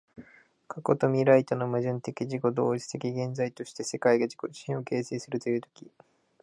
過去と未来との矛盾的自己同一的現在として、世界が自己自身を形成するという時